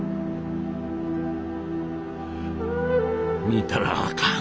見たらあかん。